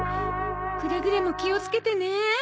くれぐれも気をつけてね。